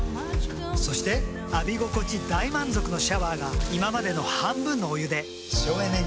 そして浴び心地大満足のシャワーが今までの半分のお湯で省エネに。